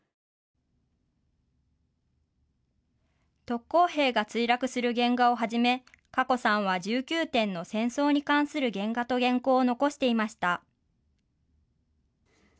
特攻兵が墜落する原画をはじめかこさんは１９点の戦争に関する原画と原稿を残していました。